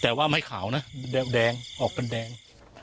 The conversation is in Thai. แต่ว่าไม่ขาวนะแดงออกเป็นแดง